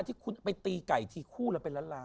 ที่คุณไปตีไก่ทีคู่แล้วเป็นล้านล้าน